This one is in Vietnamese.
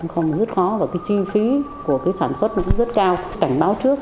không rất khó và cái chi phí của cái sản xuất cũng rất cao